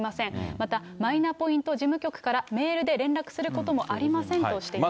また、マイナポイント事務局からメールで連絡することもありませんとしています。